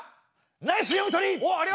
ナイス読み取り！